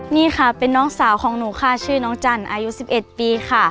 นี่ค่ะเป็นน้องสาวของหนูค่ะชื่อน้องจันทร์อายุ๑๑ปีค่ะ